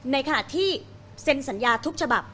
ในขณะที่เซ็นสัญญาทุกฉบับ